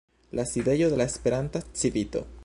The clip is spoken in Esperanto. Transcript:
la sidejo de la Esperanta Civito.